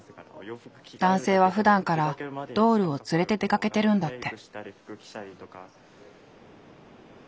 男性はふだんからドールを連れて出かけてるんだって。